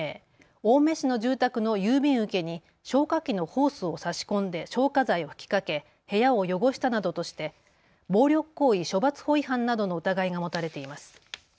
青梅市の住宅の郵便受けに消火器のホースを差し込んで消火剤を吹きかけ部屋を汚したなどとして暴力行為処罰法違反などの疑いが持たれています。